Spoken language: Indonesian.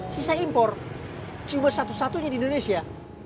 sisa impor cuma satu satunya di indonesia